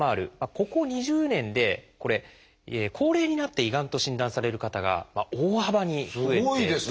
ここ２０年で高齢になって胃がんと診断される方が大幅に増えているんです。